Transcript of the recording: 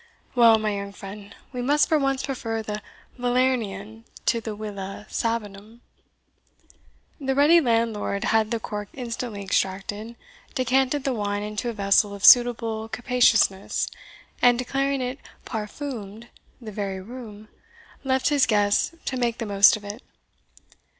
Well, my young friend, we must for once prefer the Falernian to the vile Sabinum." The ready landlord had the cork instantly extracted, decanted the wine into a vessel of suitable capaciousness, and, declaring it parfumed the very room, left his guests to make the most of it.